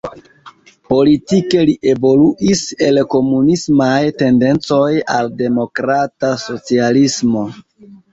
Politike li evoluis el komunismaj tendencoj al demokrata socialismo.